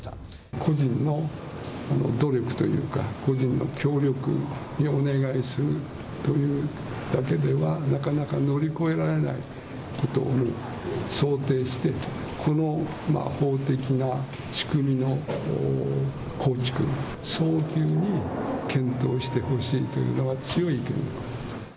個人の努力というか、個人の協力にお願いするというだけでは、なかなか乗り越えられないことを想定して、この法的な仕組みの構築、早急に検討してほしいというのが強い意見。